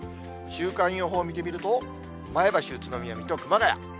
週間予報見てみると、前橋、宇都宮、水戸、熊谷。